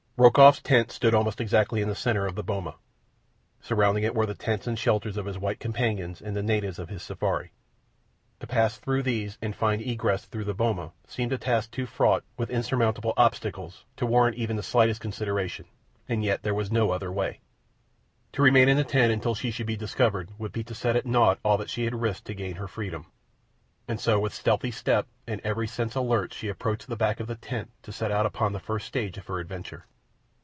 Rokoff's tent stood almost exactly in the centre of the boma. Surrounding it were the tents and shelters of his white companions and the natives of his safari. To pass through these and find egress through the boma seemed a task too fraught with insurmountable obstacles to warrant even the slightest consideration, and yet there was no other way. To remain in the tent until she should be discovered would be to set at naught all that she had risked to gain her freedom, and so with stealthy step and every sense alert she approached the back of the tent to set out upon the first stage of her adventure.